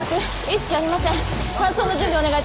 はい！